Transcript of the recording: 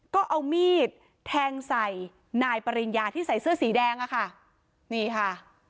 ก็เอามีดแทงใส่นายปริญญาที่ใส่เสื้อสีแดงอะค่ะนี่ค่ะ